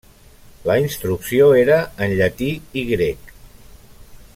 La instrucció era en llatí i grec.